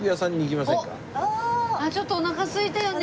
ちょっとおなかすいたよね。